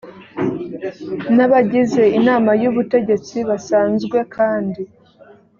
n abagize inama y ubutegetsi basanzwe kandi